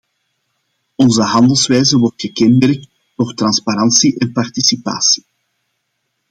Onze handelwijze wordt gekenmerkt door transparantie en participatie.